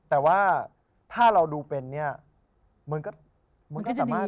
แต่ว่าถ้าเราดูเป็นเป็นก็จะดี